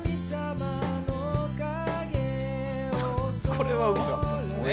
これはうまかったですね。